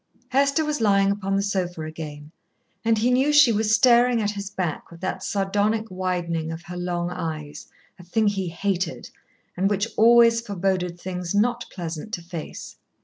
Hester was lying upon the sofa again, and he knew she was staring at his back with that sardonic widening of her long eyes, a thing he hated, and which always foreboded things not pleasant to face.